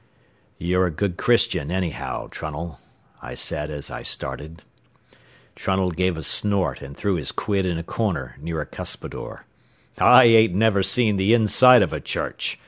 "You're a good Christian, anyhow, Trunnell," I said as I started. Trunnell gave a snort and threw his quid in a corner near a cuspidor. "I ain't never seen the inside of a church.